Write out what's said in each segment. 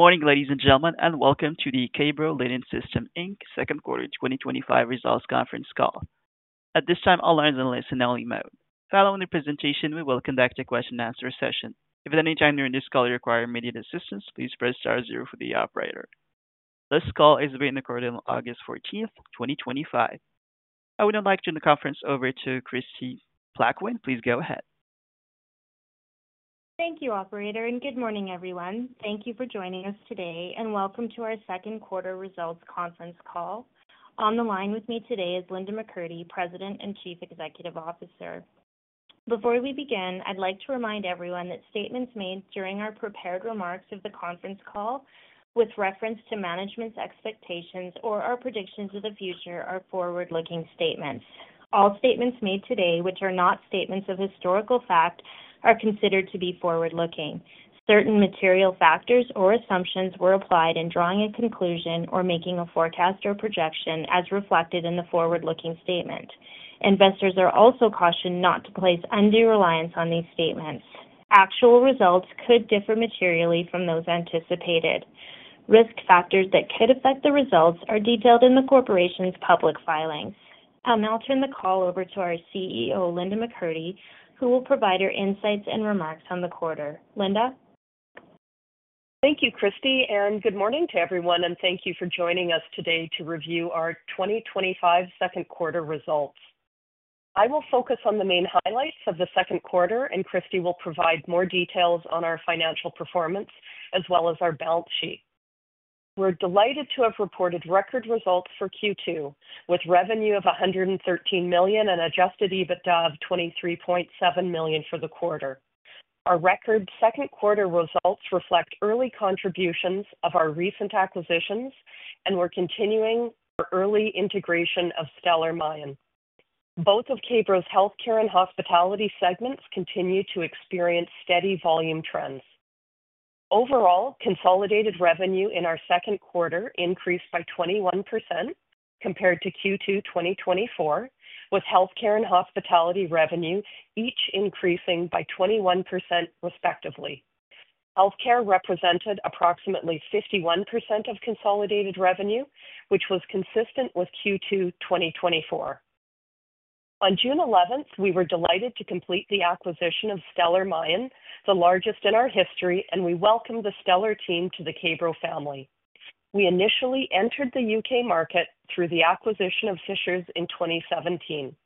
Good morning, ladies and gentlemen, and welcome to the K-Bro Linen Inc. Second Quarter 2025 Results Conference Call. At this time, I'll turn the list in only mode. Following the presentation, we will conduct a question and answer session. If at any time during this call you require immediate assistance, please press star zero for the operator. This call is being recorded on August 14th, 2025. I would now like to turn the conference over to Kristie Plaquin. Please go ahead. Thank you, operator, and good morning, everyone. Thank you for joining us today and welcome to our second quarter results conference call. On the line with me today is Linda McCurdy, President and Chief Executive Officer. Before we begin, I'd like to remind everyone that statements made during our prepared remarks of the conference call with reference to management's expectations or our predictions of the future are forward-looking statements. All statements made today, which are not statements of historical fact, are considered to be forward-looking. Certain material factors or assumptions were applied in drawing a conclusion or making a forecast or projection as reflected in the forward-looking statement. Investors are also cautioned not to place undue reliance on these statements. Actual results could differ materially from those anticipated. Risk factors that could affect the results are detailed in the corporation's public filing. I'll now turn the call over to our CEO, Linda McCurdy, who will provide her insights and remarks on the quarter. Linda. Thank you, Kristie, and good morning to everyone, and thank you for joining us today to review our 2025 second quarter results. I will focus on the main highlights of the second quarter, and Kristie will provide more details on our financial performance as well as our balance sheet. We're delighted to have reported record results for Q2 with revenue of $113 million and adjusted EBITDA of $23.7 million for the quarter. Our record second quarter results reflect early contributions of our recent acquisitions and we're continuing our early integration of Stellar Mayan. Both of K-Bro's healthcare and hospitality segments continue to experience steady volume trends. Overall, consolidated revenue in our second quarter increased by 21% compared to Q2 2024, with healthcare and hospitality revenue each increasing by 21% respectively. Healthcare represented approximately 51% of consolidated revenue, which was consistent with Q2 2024. On June 11, we were delighted to complete the acquisition of Stellar Mayan, the largest in our history, and we welcomed the Stellar team to the K-Bro family. We initially entered the UK market through the acquisition of Fishers in 2017.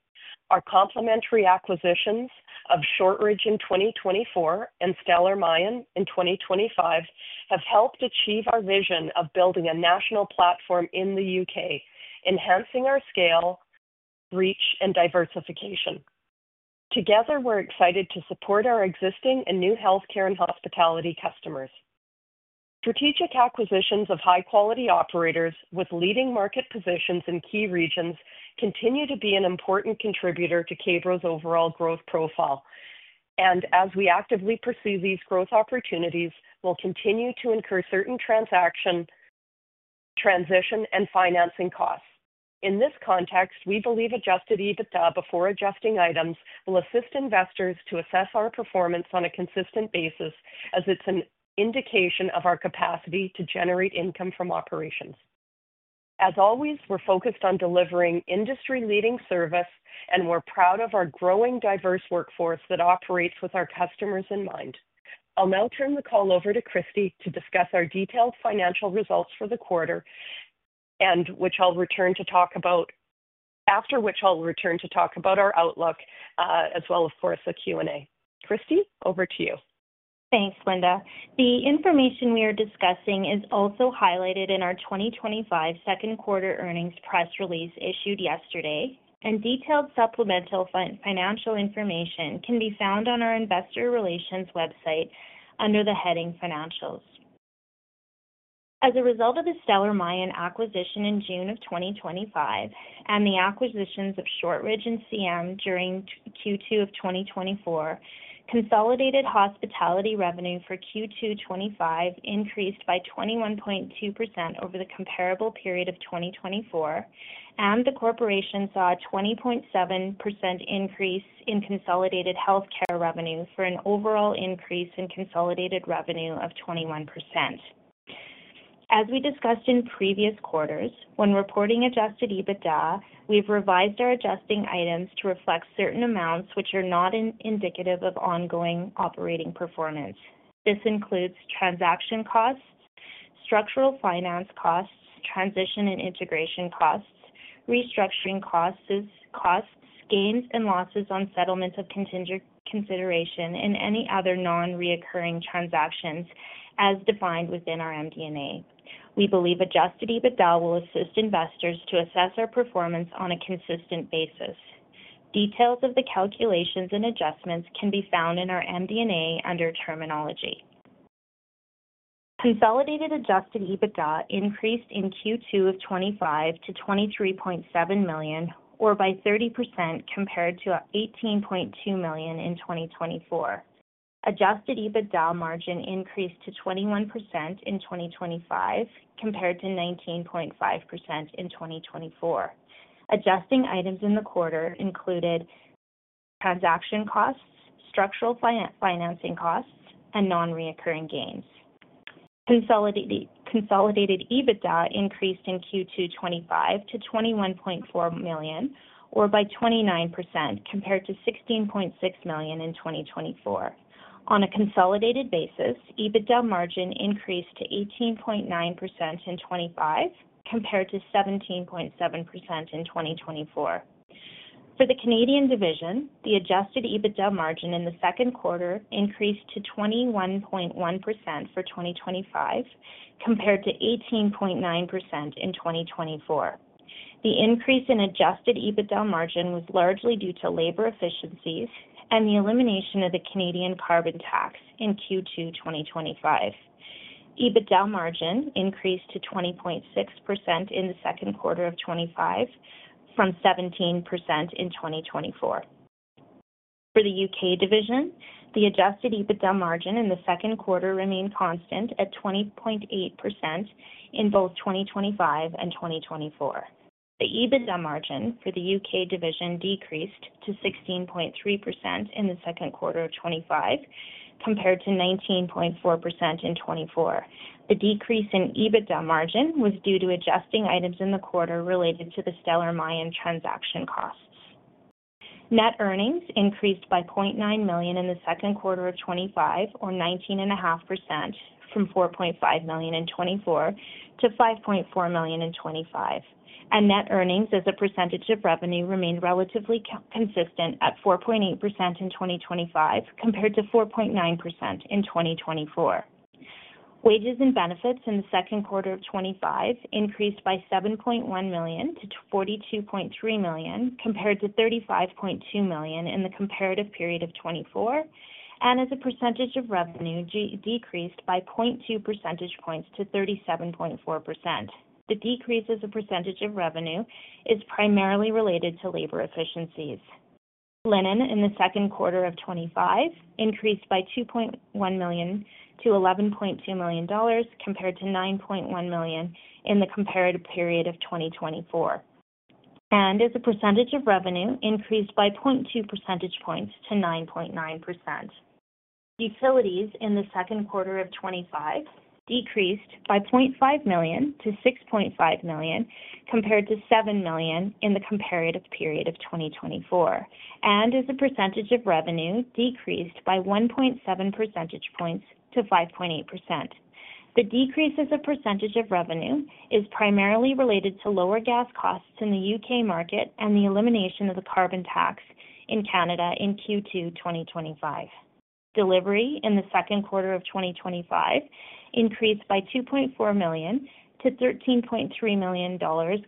Our complementary acquisitions of Shortridge in 2024 and Stellar Mayan in 2025 have helped achieve our vision of building a national platform in the UK, enhancing our scale, reach, and diversification. Together, we're excited to support our existing and new healthcare and hospitality customers. Strategic acquisitions of high-quality operators with leading market positions in key regions continue to be an important contributor to K-Bro's overall growth profile. As we actively pursue these growth opportunities, we'll continue to incur certain transition and financing costs. In this context, we believe adjusted EBITDA before adjusting items will assist investors to assess our performance on a consistent basis as it's an indication of our capacity to generate income from operations. As always, we're focused on delivering industry-leading service, and we're proud of our growing diverse workforce that operates with our customers in mind. I'll now turn the call over to Kristie to discuss our detailed financial results for the quarter, after which I'll return to talk about our outlook, as well, of course, a Q&A. Kristie, over to you. Thanks, Linda. The information we are discussing is also highlighted in our 2025 second quarter earnings press release issued yesterday, and detailed supplemental financial information can be found on our investor relations website under the heading Financials. As a result of the Stellar Mayan acquisition in June of 2025 and the acquisitions of Shortridge and CM during Q2 of 2024, consolidated hospitality revenue for Q2 2025 increased by 21.2% over the comparable period of 2024, and the corporation saw a 20.7% increase in consolidated healthcare revenue for an overall increase in consolidated revenue of 21%. As we discussed in previous quarters, when reporting adjusted EBITDA, we've revised our adjusting items to reflect certain amounts which are not indicative of ongoing operating performance. This includes transaction costs, structural finance costs, transition and integration costs, restructuring costs, gains and losses on settlement of contingent consideration, and any other non-recurring transactions as defined within our MD&A. We believe adjusted EBITDA will assist investors to assess our performance on a consistent basis. Details of the calculations and adjustments can be found in our MD&A under terminology. Consolidated adjusted EBITDA increased in Q2 of 2025 to $23.7 million, or by 30% compared to $18.2 million in 2024. Adjusted EBITDA margin increased to 21% in 2025 compared to 19.5% in 2024. Adjusting items in the quarter included transaction costs, structural financing costs, and non-recurring gains. Consolidated EBITDA increased in Q2 2025 to $21.4 million, or by 29% compared to $16.6 million in 2024. On a consolidated basis, EBITDA margin increased to 18.9% in 2025 compared to 17.7% in 2024. For the Canadian division, the adjusted EBITDA margin in the second quarter increased to 21.1% for 2025 compared to 18.9% in 2024. The increase in adjusted EBITDA margin was largely due to labor efficiencies and the elimination of the Canadian carbon tax in Q2 2025. EBITDA margin increased to 20.6% in the second quarter of 2025 from 17% in 2024. For the U.K. division, the adjusted EBITDA margin in the second quarter remained constant at 20.8% in both 2025 and 2024. The EBITDA margin for the UK division decreased to 16.3% in the second quarter of 2025 compared to 19.4% in 2024. The decrease in EBITDA margin was due to adjusting items in the quarter related to the Stellar Mayan transaction costs. Net earnings increased by $0.9 million in the second quarter of 2025, or 19.5%, from $4.5 million in 2024 to $5.4 million in 2025. Net earnings as a percentage of revenue remained relatively consistent at 4.8% in 2025 compared to 4.9% in 2024. Wages and benefits in the second quarter of 2025 increased by $7.1 million-$42.3 million compared to $35.2 million in the comparative period of 2024, and as a percentage of revenue decreased by 0.2 percentage points to 37.4%. The decrease as a percentage of revenue is primarily related to labor efficiencies. Linen in the second quarter of 2025 increased by $2.1 million-$11.2 million compared to $9.1 million in the comparative period of 2024, and as a percentage of revenue increased by 0.2 percentage points to 9.9%. Utilities in the second quarter of 2025 decreased by $0.5 million-$6.5 million compared to $7 million in the comparative period of 2024, and as a percentage of revenue decreased by 1.7 percentage points to 5.8%. The decrease as a percentage of revenue is primarily related to lower gas costs in the U.K. market and the elimination of the carbon tax in Canada in Q2 2025. Delivery in the second quarter of 2025 increased by $2.4 million-$13.3 million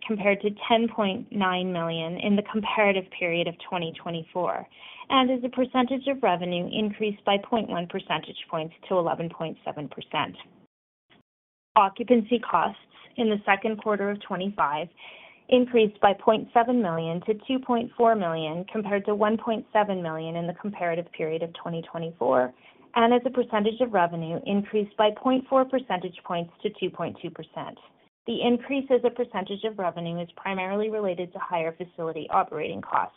compared to $10.9 million in the comparative period of 2024, and as a percentage of revenue increased by 0.1 percentage points to 11.7%. Occupancy costs in the second quarter of 2025 increased by $0.7 million to $2.4 million compared to $1.7 million in the comparative period of 2024, and as a percentage of revenue increased by 0.4 percentage points to 2.2%. The increase as a percentage of revenue is primarily related to higher facility operating costs.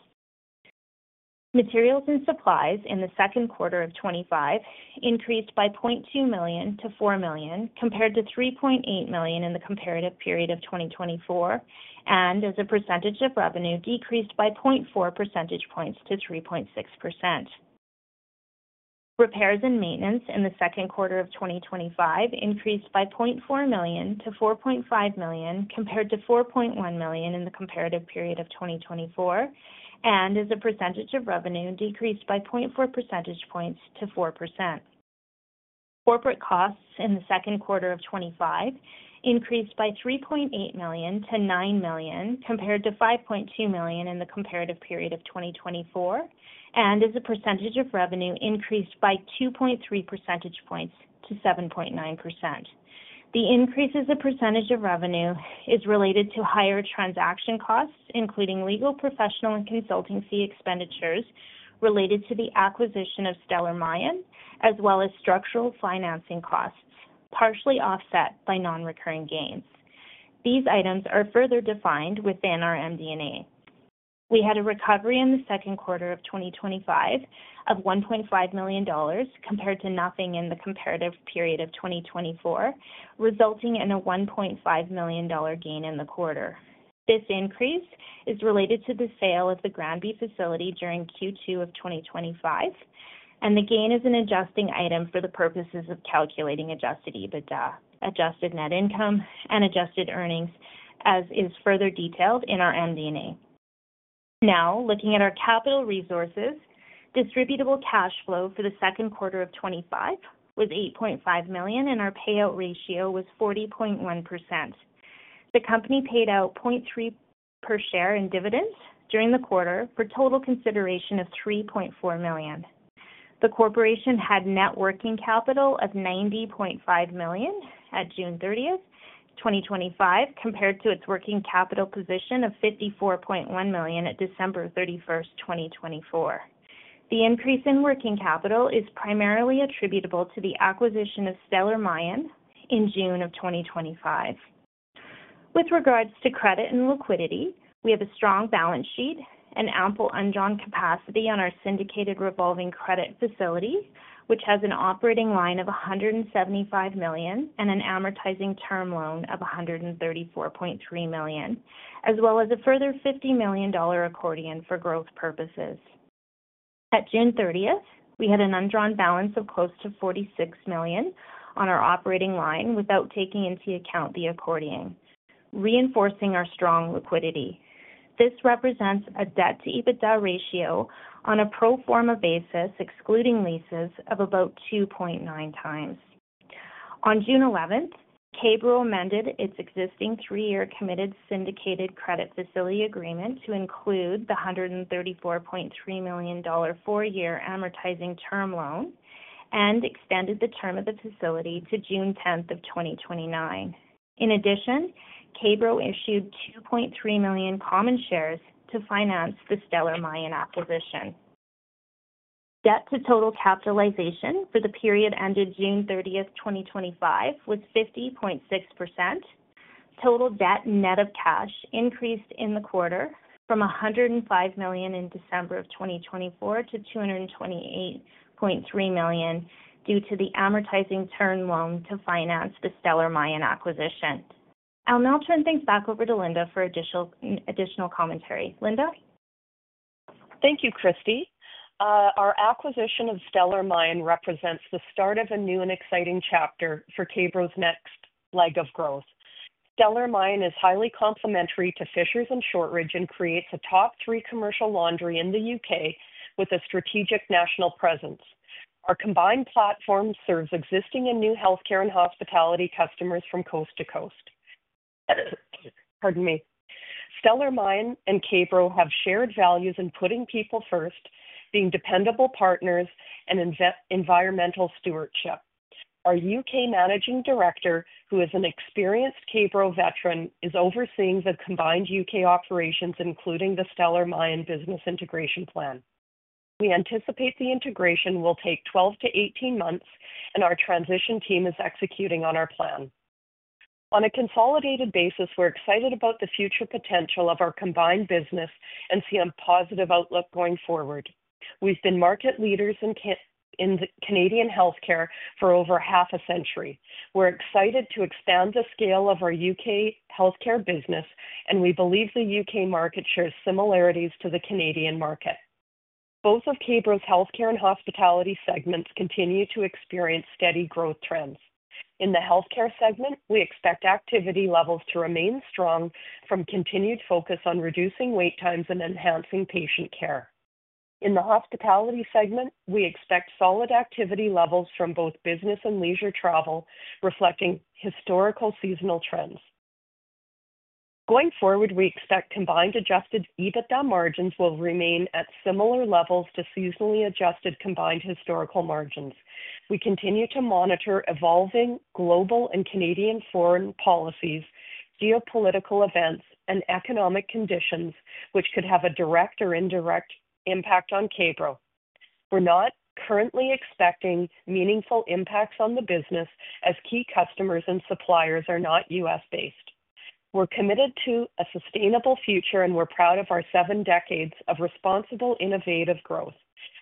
Materials and supplies in the second quarter of 2025 increased by $0.2 million-$4 million compared to $3.8 million in the comparative period of 2024, and as a percentage of revenue decreased by 0.4 percentage points to 3.6%. Repairs and maintenance in the second quarter of 2025 increased by $0.4 million-$4.5 million compared to $4.1 million in the comparative period of 2024, and as a percentage of revenue decreased by 0.4 percentage points to 4%. Corporate costs in the second quarter of 2025 increased by $3.8 million-$9 million compared to $5.2 million in the comparative period of 2024, and as a percentage of revenue increased by 2.3 percentage points to 7.9%. The increase as a percentage of revenue is related to higher transaction costs, including legal, professional, and consultancy expenditures related to the acquisition of Stellar Mayan, as well as structural financing costs, partially offset by non-recurring gains. These items are further defined within our MD&A. We had a recovery in the second quarter of 2025 of $1.5 million compared to nothing in the comparative period of 2024, resulting in a $1.5 million gain in the quarter. This increase is related to the sale of the Granby facility during Q2 of 2025, and the gain is an adjusting item for the purposes of calculating adjusted EBITDA, adjusted net income, and adjusted earnings, as is further detailed in our MD&A. Now, looking at our capital resources, distributable cash flow for the second quarter of 2025 was $8.5 million, and our payout ratio was 40.1%. The company paid out $0.03 per share in dividends during the quarter for total consideration of $3.4 million. The corporation had net working capital of $90.5 million at June 30, 2025, compared to its working capital position of $54.1 million at December 31, 2024. The increase in working capital is primarily attributable to the acquisition of Stellar Mayan in June of 2025. With regards to credit and liquidity, we have a strong balance sheet and ample undrawn capacity on our syndicated revolving credit facility, which has an operating line of $175 million and an amortizing term loan of $134.3 million, as well as a further $50 million accordion for growth purposes. At June 30th, we had an undrawn balance of close to $46 million on our operating line without taking into account the accordion, reinforcing our strong liquidity. This represents a debt-to-EBITDA ratio on a pro forma basis, excluding leases, of about 2.9x. On June 11th, K-Bro amended its existing three-year committed syndicated credit facility agreement to include the $134.3 million four-year amortizing term loan and extended the term of the facility to June 10,th 2029. In addition, K-Bro issued 2.3 million common shares to finance the Stellar Mayan acquisition. Debt-to-total capitalization for the period ended June 30th, 2025 was 50.6%. Total debt net of cash increased in the quarter from $105 million in December of 2024 to $228.3 million due to the amortizing term loan to finance the Stellar Mayan acquisition. I'll now turn things back over to Linda for additional commentary. Linda? Thank you, Kristie. Our acquisition of Stellar Mayan represents the start of a new and exciting chapter for K-Bro's next leg of growth. Stellar Mayan is highly complementary to Fishers and Shortridge and creates a top three commercial laundry in the UK with a strategic national presence. Our combined platform serves existing and new healthcare and hospitality customers from coast to coast. Stellar Mayan and K-Bro have shared values in putting people first, being dependable partners, and environmental stewardship. Our U.K. Managing Director, who is an experienced K-Bro veteran, is overseeing the combined U.K. operations, including the Stellar Mayan business integration plan. We anticipate the integration will take 12-18 months, and our transition team is executing on our plan. On a consolidated basis, we're excited about the future potential of our combined business and see a positive outlook going forward. We've been market leaders in Canadian healthcare for over half a century. We're excited to expand the scale of our U.K. healthcare business, and we believe the U.K. market shares similarities to the Canadian market. Both of K-Bro's healthcare and hospitality segments continue to experience steady growth trends. In the healthcare segment, we expect activity levels to remain strong from continued focus on reducing wait times and enhancing patient care. In the hospitality segment, we expect solid activity levels from both business and leisure travel, reflecting historical seasonal trends. Going forward, we expect combined adjusted EBITDA margins will remain at similar levels to seasonally adjusted combined historical margins. We continue to monitor evolving global and Canadian foreign policies, geopolitical events, and economic conditions, which could have a direct or indirect impact on K-Bro. We're not currently expecting meaningful impacts on the business as key customers and suppliers are not U.S.-based. We're committed to a sustainable future, and we're proud of our seven decades of responsible, innovative growth.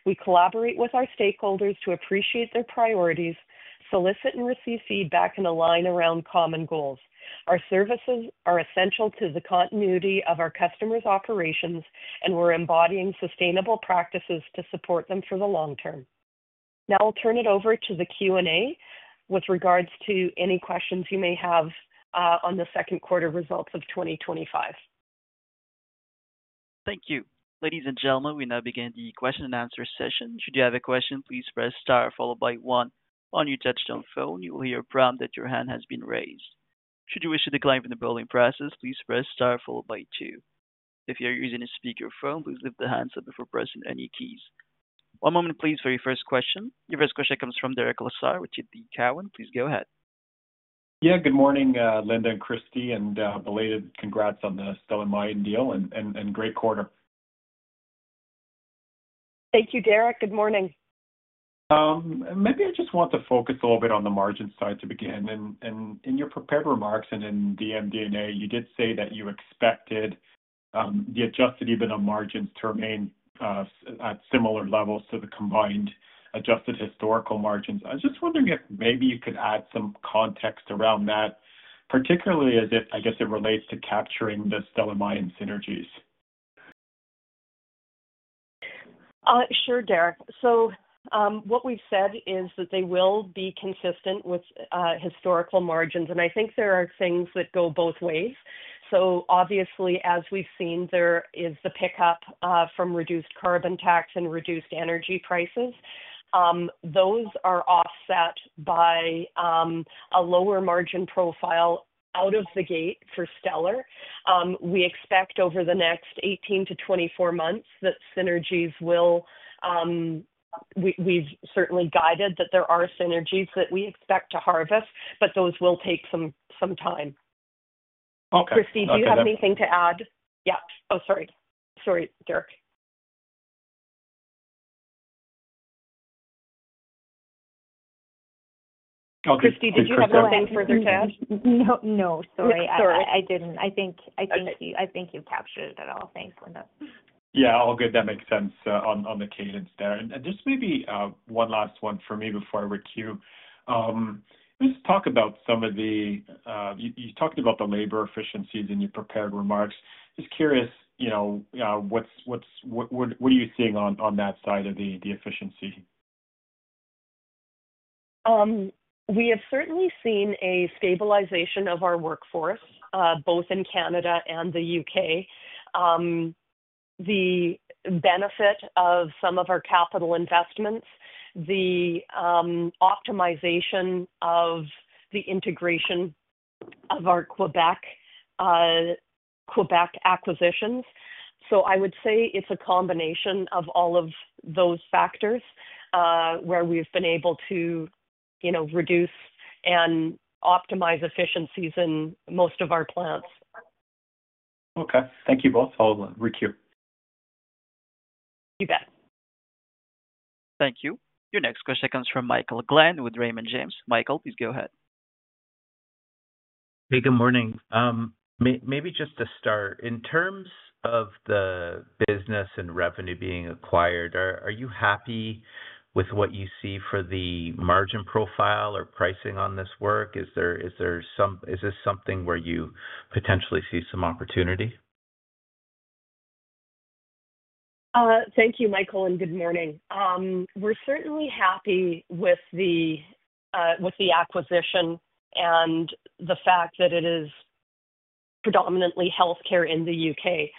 We collaborate with our stakeholders to appreciate their priorities, solicit and receive feedback, and align around common goals. Our services are essential to the continuity of our customers' operations, and we're embodying sustainable practices to support them for the long term. Now I'll turn it over to the Q&A with regards to any questions you may have on the second quarter results of 2025. Thank you. Ladies and gentlemen, we now begin the question and answer session. Should you have a question, please press star followed by one on your touch-tone phone. You will hear a prompt that your hand has been raised. Should you wish to decline from the polling process, please press star followed by two. If you're using a speaker phone, please lift the handset before pressing any keys. One moment, please, for your first question. Your first question comes from Derek Lessard, with TD Cowen. Please go ahead. Good morning, Linda and Kristie, and belated congrats on the Stellar Mayan deal and great quarter. Thank you, Derek. Good morning. Maybe I just want to focus a little bit on the margin side to begin. In your prepared remarks and in the MD&A, you did say that you expected the adjusted EBITDA margins to remain at similar levels to the combined adjusted historical margins. I'm just wondering if maybe you could add some context around that, particularly as it, I guess, relates to capturing the Stellar Mayan synergies. Sure, Derek. What we've said is that they will be consistent with historical margins, and I think there are things that go both ways. Obviously, as we've seen, there is the pickup from reduced carbon tax and reduced energy prices. Those are offset by a lower margin profile out of the gate for Stellar Mayan. We expect over the next 18-24 months that synergies will, we've certainly guided that there are synergies that we expect to harvest, but those will take some time. Okay. Kristie, do you have anything to add? Yeah. Sorry, Derek. Okay. Kristie, did you have anything further to add? No, sorry. Sorry. I didn't. I think you've captured it all. Thanks, Linda. Yeah, all good. That makes sense on the cadence there. Maybe one last one for me before I recoup. Let's talk about some of the, you talked about the labor efficiencies in your prepared remarks. Just curious, you know, what are you seeing on that side of the efficiency? We have certainly seen a stabilization of our workforce, both in Canada and the U.K. The benefit of some of our capital investments, the optimization of the integration of our Quebec acquisitions. I would say it's a combination of all of those factors where we've been able to reduce and optimize efficiencies in most of our plants. Okay. Thank you both. I'll recoup. You bet. Thank you. Your next question comes from Michael Glenn with Raymond James. Michael, please go ahead. Hey, good morning. Maybe just to start, in terms of the business and revenue being acquired, are you happy with what you see for the margin profile or pricing on this work? Is this something where you potentially see some opportunity? Thank you, Michael, and good morning. We're certainly happy with the acquisition and the fact that it is predominantly healthcare in the U.K.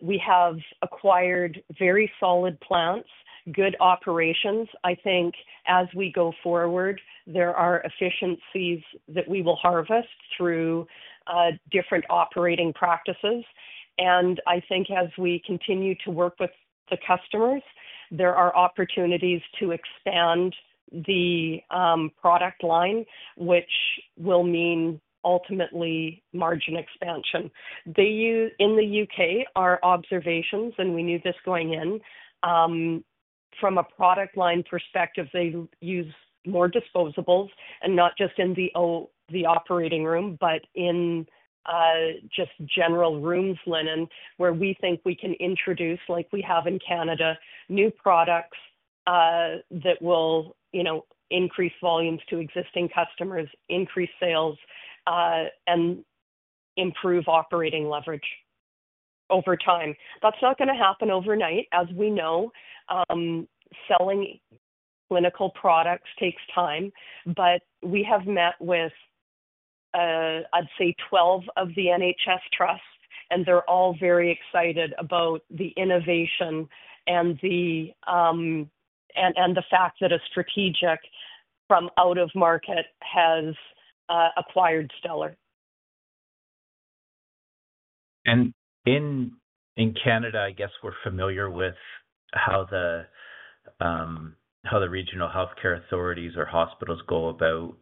We have acquired very solid plants, good operations. I think as we go forward, there are efficiencies that we will harvest through different operating practices. I think as we continue to work with the customers, there are opportunities to expand the product line, which will mean ultimately margin expansion. They use, in the U.K., our observations, and we knew this going in, from a product line perspective, they use more disposables and not just in the operating room, but in just general rooms, linen, where we think we can introduce, like we have in Canada, new products that will increase volumes to existing customers, increase sales, and improve operating leverage over time. That's not going to happen overnight. As we know, selling clinical products takes time, but we have met with, I'd say, 12 of the NHS trusts, and they're all very excited about the innovation and the fact that a strategic from out of market has acquired Stellar Mayan. In Canada, I guess we're familiar with how the regional healthcare authorities or hospitals go about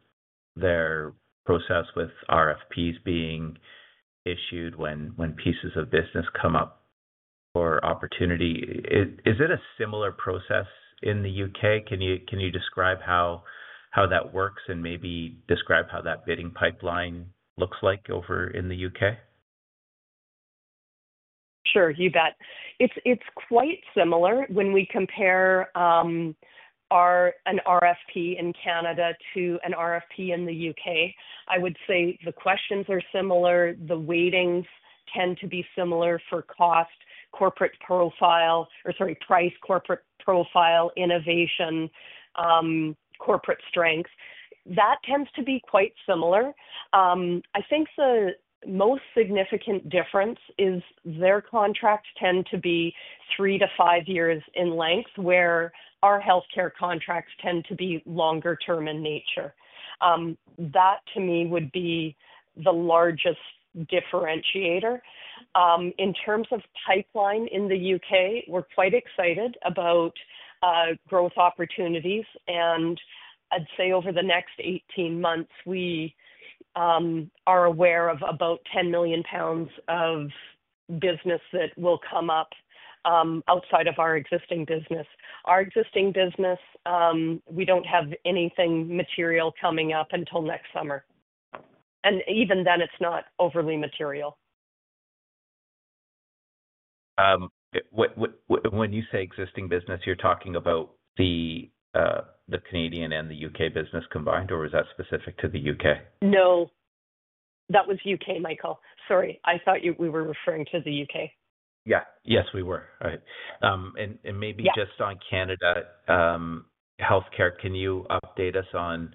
their process with RFPs being issued when pieces of business come up or opportunity. Is it a similar process in the U.K.? Can you describe how that works and maybe describe how that bidding pipeline looks like over in the U.K.? Sure, you bet. It's quite similar when we compare an RFP in Canada to an RFP in the U.K. I would say the questions are similar. The weightings tend to be similar for cost, corporate profile, or sorry, price, corporate profile, innovation, corporate strength. That tends to be quite similar. I think the most significant difference is their contracts tend to be three to five years in length, where our healthcare contracts tend to be longer-term in nature. That, to me, would be the largest differentiator. In terms of pipeline in the U.K., we're quite excited about growth opportunities. I'd say over the next 18 months, we are aware of about 10 million pounds of business that will come up outside of our existing business. Our existing business, we don't have anything material coming up until next summer. Even then, it's not overly material. When you say existing business, you're talking about the Canadian and the U.K. business combined, or is that specific to the U.K.? No, that was U.K., Michael. Sorry, I thought we were referring to the U.K. Yes, we were. All right. Maybe just on Canada healthcare, can you update us on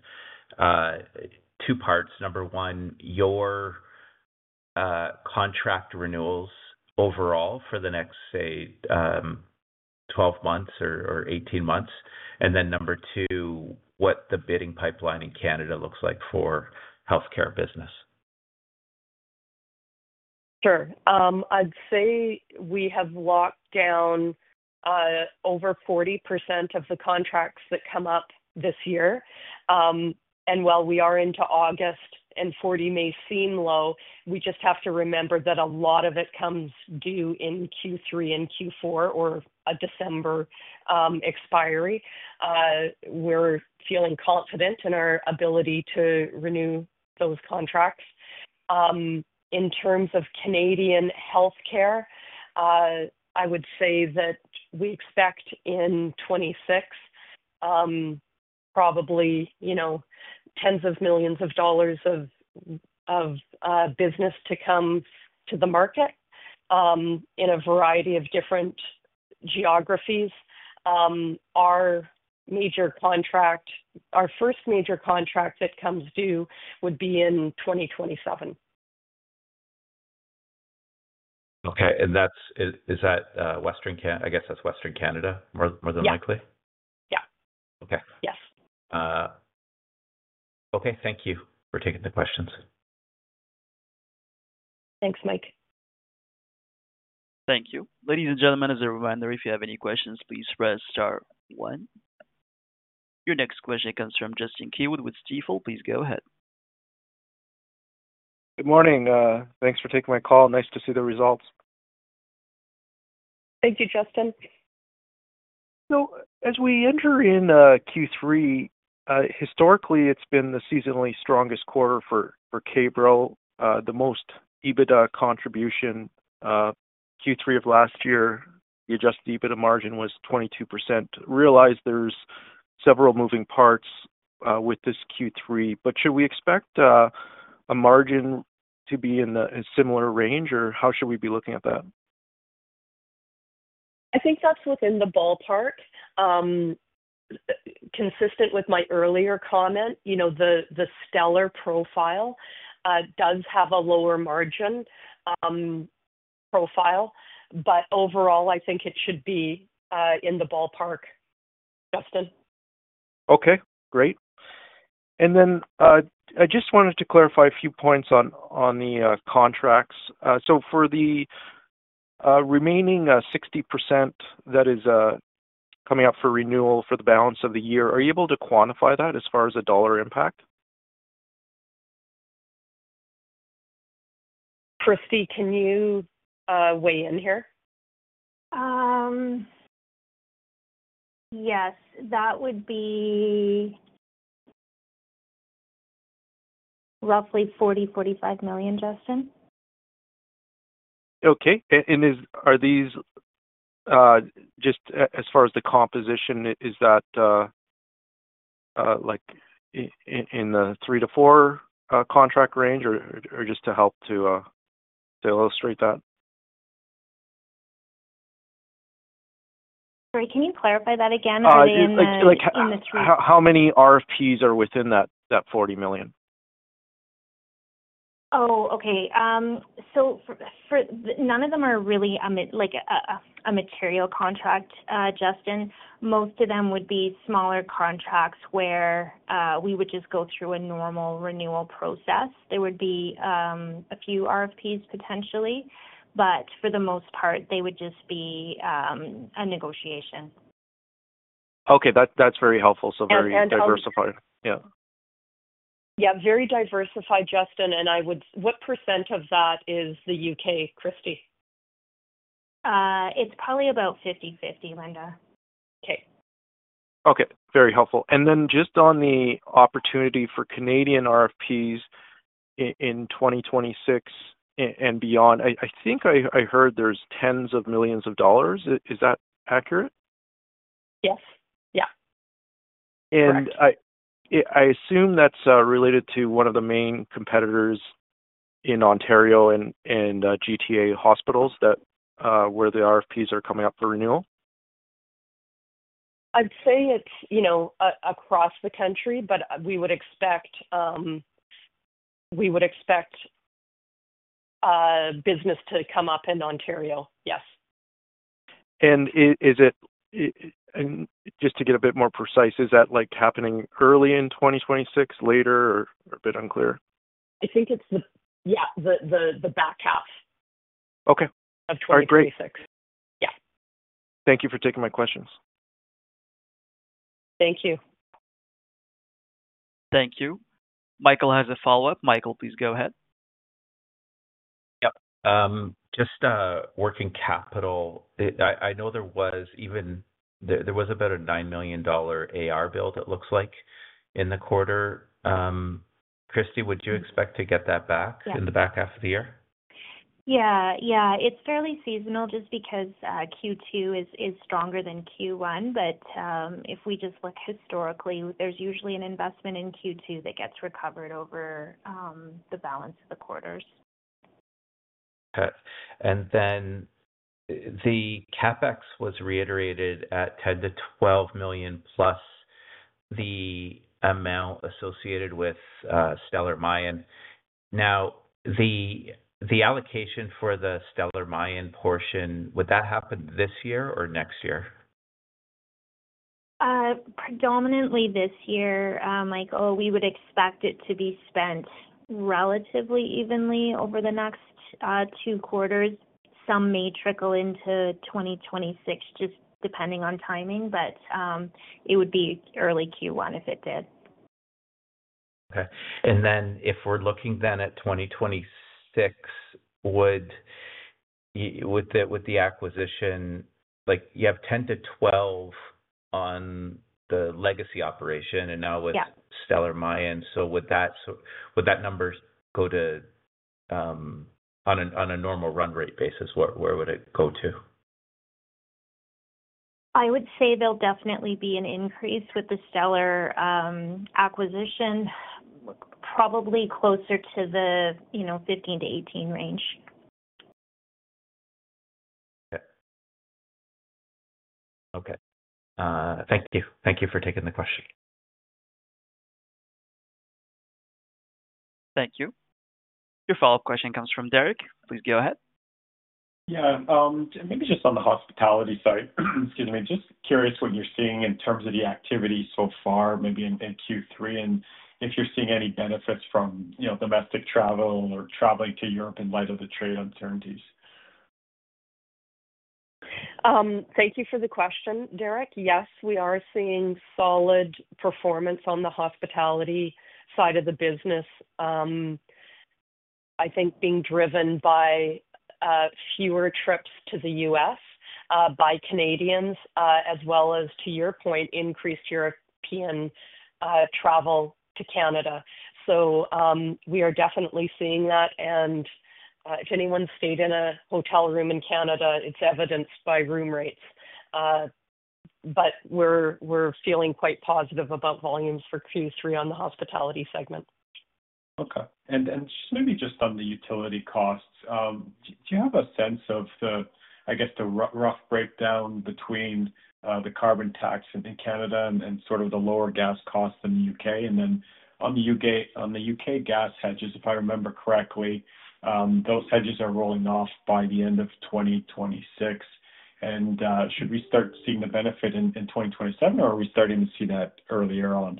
two parts? Number one, your contract renewals overall for the next 12 months or 18 months. Number two, what the bidding pipeline in Canada looks like for healthcare business. Sure. I'd say we have locked down over 40% of the contracts that come up this year. While we are into August and 40% may seem low, we just have to remember that a lot of it comes due in Q3 and Q4 or a December expiry. We're feeling confident in our ability to renew those contracts. In terms of Canadian healthcare, I would say that we expect in 2026 probably, you know, tens of millions of dollars of business to come to the market in a variety of different geographies. Our major contract, our first major contract that comes due would be in 2027. Okay. Is that Western Canada? I guess that's Western Canada, more than likely? Yeah. Okay. Yes. Okay, thank you for taking the questions. Thanks, Mike. Thank you. Ladies and gentlemen, as a reminder, if you have any questions, please press star one. Your next question comes from Justin Keywood with Stifel. Please go ahead. Good morning. Thanks for taking my call. Nice to see the results. Thank you, Justin. As we enter in Q3, historically, it's been the seasonally strongest quarter for K-Bro. The most EBITDA contribution, Q3 of last year, the adjusted EBITDA margin was 22%. Realize there's several moving parts with this Q3, but should we expect a margin to be in a similar range, or how should we be looking at that? I think that's within the ballpark. Consistent with my earlier comment, the Stellar Mayan profile does have a lower margin profile, but overall, I think it should be in the ballpark, Justin. Great. I just wanted to clarify a few points on the contracts. For the remaining 60% that is coming up for renewal for the balance of the year, are you able to quantify that as far as a dollar impact? Kristie, can you weigh in here? Yes, that would be roughly $40 million, $45 million, Justin. Okay. Are these just as far as the composition, is that like in the three to four contract range, or just to help to illustrate that? Sorry, can you clarify that again? Like, how many RFPs are within that $40 million? Okay. None of them are really like a material contract, Justin. Most of them would be smaller contracts where we would just go through a normal renewal process. There would be a few RFPs, potentially. For the most part, they would just be a negotiation. Okay, that's very helpful. Very diversified. Just to clarify. Yeah. Yeah, very diversified, Justin. I would, what % of that is the U.K., Kristie? It's probably about 50/50, Linda. Okay. Okay. Very helpful. Just on the opportunity for Canadian RFPs in 2026 and beyond, I think I heard there's tens of millions of dollars. Is that accurate? Yes. Yeah. I assume that's related to one of the main competitors in Ontario and GTA hospitals where the RFPs are coming up for renewal? I'd say it's across the country, but we would expect business to come up in Ontario, yes. Is it, just to get a bit more precise, is that happening early in 2026, later, or a bit unclear? I think it's the back half. Okay. Great. Of 2026, yeah. Thank you for taking my questions. Thank you. Thank you. Michael has a follow-up. Michael, please go ahead. Yeah. Just working capital, I know there was about a $9 million AR bill that looks like in the quarter. Kristie, would you expect to get that back in the back half of the year? Yeah. Yeah. It's fairly seasonal just because Q2 is stronger than Q1. If we just look historically, there's usually an investment in Q2 that gets recovered over the balance of the quarters. Okay. The CapEx was reiterated at $10 million-$12 million plus the amount associated with Stellar Mayan. Now, the allocation for the Stellar Mayan portion, would that happen this year or next year? Predominantly this year, Michael. We would expect it to be spent relatively evenly over the next two quarters. Some may trickle into 2026, just depending on timing, but it would be early Q1 if it did. Okay. If we're looking at 2026, would the acquisition, like you have 10-12 on the legacy operation, and now with Stellar Mayan, would that number go to, on a normal run rate basis, where would it go to? I would say there'll definitely be an increase with the Stellar Mayan acquisition, probably closer to the, you know, 15-18 range. Okay. Thank you. Thank you for taking the question. Thank you. Your follow-up question comes from Derek. Please go ahead. Maybe just on the hospitality side, excuse me, just curious what you're seeing in terms of the activity so far, maybe in Q3, and if you're seeing any benefits from, you know, domestic travel or traveling to Europe in light of the trade uncertainties. Thank you for the question, Derek. Yes, we are seeing solid performance on the hospitality side of the business. I think being driven by fewer trips to the U.S. by Canadians, as well as, to your point, increased European travel to Canada. We are definitely seeing that. If anyone stayed in a hotel room in Canada, it's evidenced by room rates. We're feeling quite positive about volumes for Q3 on the hospitality segment. Okay. Maybe just on the utility costs, do you have a sense of the, I guess, the rough breakdown between the carbon tax in Canada and sort of the lower gas costs in the U.K.? On the U.K. gas hedges, if I remember correctly, those hedges are rolling off by the end of 2026. Should we start seeing the benefit in 2027, or are we starting to see that earlier on?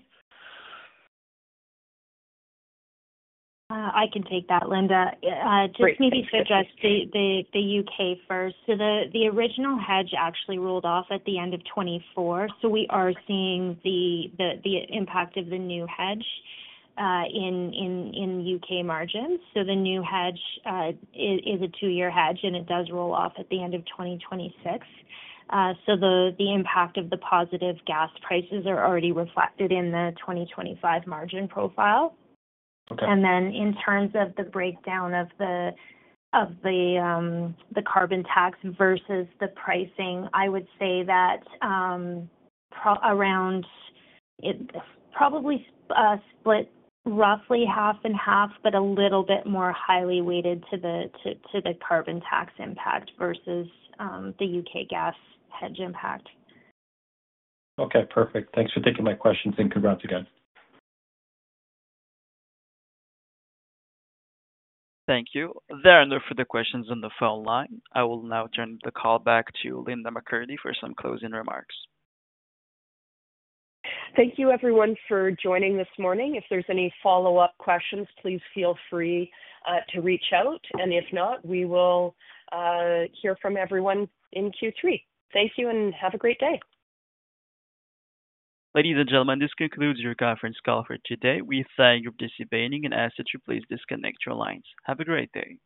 I can take that, Linda. Great. Just maybe suggest the U.K. first. The original hedge actually rolled off at the end of 2024. We are seeing the impact of the new hedge in U.K. margins. The new hedge is a two-year hedge, and it does roll off at the end of 2026. The impact of the positive gas prices is already reflected in the 2025 margin profile. In terms of the breakdown of the carbon tax versus the pricing, I would say that around probably split roughly half and half, but a little bit more highly weighted to the carbon tax impact versus the U.K. gas hedge impact. Okay. Perfect. Thanks for taking my questions, and congrats again. Thank you. There are no further questions on the phone line. I will now turn the call back to Linda McCurdy for some closing remarks. Thank you, everyone, for joining this morning. If there's any follow-up questions, please feel free to reach out. If not, we will hear from everyone in Q3. Thank you, and have a great day. Ladies and gentlemen, this concludes your conference call for today. We thank you for participating, and ask that you please disconnect your lines. Have a great day.